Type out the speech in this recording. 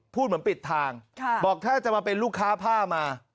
พูดเหมือนปิดทางบอกถ้าจะมาเป็นลูกค้าผ้ามา